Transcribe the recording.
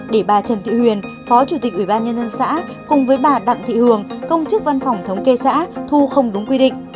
để bà trần thị huyền phó chủ tịch ủy ban nhân dân xã cùng với bà đặng thị hường công chức văn phòng thống kê xã thu không đúng quy định